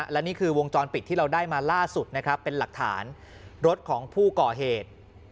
และนี่คือวงจรปิดที่เราได้มาล่าสุดนะครับเป็นหลักฐานรถของผู้ก่อเหตุ